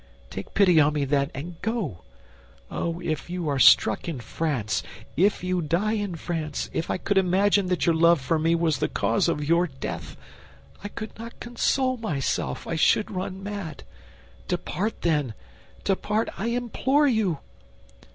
Take pity on me, then, and go! Oh, if you are struck in France, if you die in France, if I could imagine that your love for me was the cause of your death, I could not console myself; I should run mad. Depart then, depart, I implore you!"